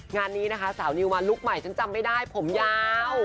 งานนี้นะคะสาวนิวมาลุคใหม่ฉันจำไม่ได้ผมยาว